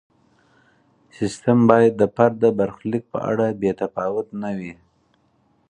سیستم باید د فرد د برخلیک په اړه بې تفاوت نه وي.